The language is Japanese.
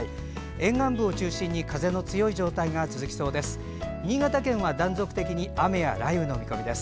沿岸部を中心に風の強い状態が続きそうです。